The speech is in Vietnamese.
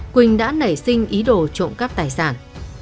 quỳnh đã nảy sinh ý đồ trộm cắp tài sản